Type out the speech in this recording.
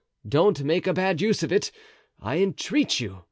Don't make a bad use of it, I entreat you.